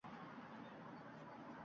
Bir tovuqqa ham don kerak, ham suv.